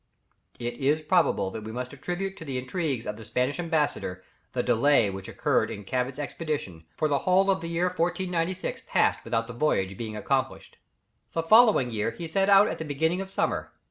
It is probable that we must attribute to the intrigues of the Spanish Ambassador, the delay which occurred in Cabot's expedition, for the whole of the year 1496 passed without the voyage being accomplished. The following year he set out at the beginning of summer.